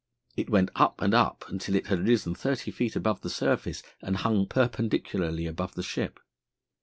It went up and up until it had risen thirty feet above the surface and hung perpendicularly above the ship.